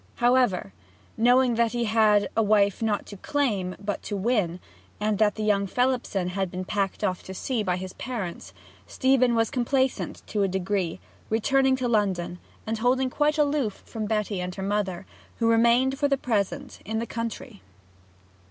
However, knowing that he had a wife not to claim but to win, and that young Phelipson had been packed off to sea by his parents, Stephen was complaisant to a degree, returning to London, and holding quite aloof from Betty and her mother, who remained for the present in the country.